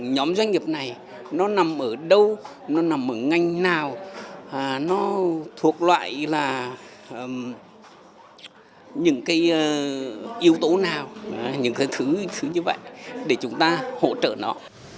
nhóm doanh nghiệp này nó nằm ở đâu nó nằm ở ngành nào nó thuộc loại là những cái yếu tố nào những cái thứ xứ như vậy để chúng ta hỗ trợ nó